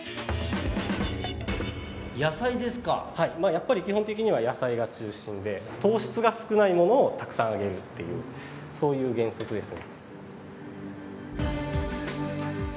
やっぱり基本的には野菜が中心で糖質が少ないものをたくさんあげるっていうそういう原則です。